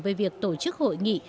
về việc tổ chức hội nghị